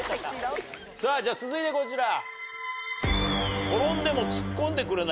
さぁじゃ続いてこちら。